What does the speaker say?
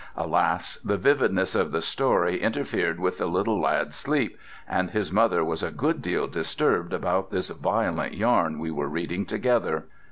Alas, the vividness of the story interfered with the little lad's sleep, and his mother was a good deal disturbed about this violent yarn we were reading together.